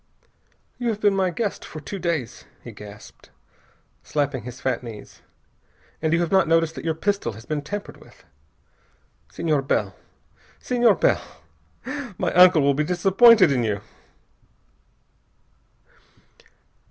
"You have been my guest for two days," he gasped, slapping his fat knees, "and you have not noticed that your pistol his been tampered with! Senhor Bell! Senhor Bell! My uncle will be disappointed in you!"